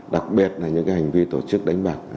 đặc biệt là những hành vi tổ chức đánh bạc